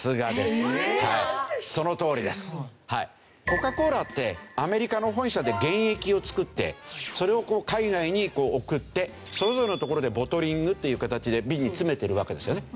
コカ・コーラってアメリカの本社で原液を作ってそれをこう海外に送ってそれぞれの所でボトリングっていう形で瓶に詰めているわけですよね。